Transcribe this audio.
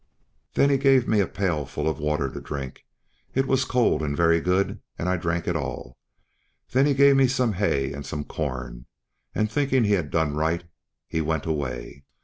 Then he gave me a pail full of water to drink; it was cold and very good, and I drank it all; then he gave me some hay and some corn, and, thinking he had done right, he went away.